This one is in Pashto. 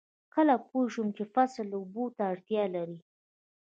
کله پوه شم چې فصل اوبو ته اړتیا لري؟